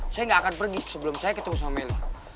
saya nggak akan pergi sebelum saya ketemu sama meli